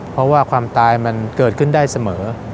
เพราะว่าความตายมันเกิดขึ้นได้เสมอ